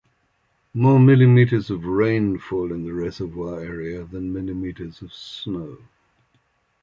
More millimeters of rain fall in the reservoir area than millimeters of snow.